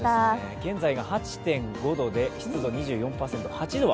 現在が８．５度で湿度２４％。